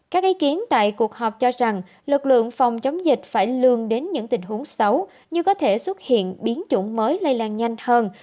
các ý kiến tại cuộc họp cho rằng lực lượng phòng chống dịch phải lương đến những tình huống xấu như có thể xuất hiện biến chủng mới lây lan nhanh hơn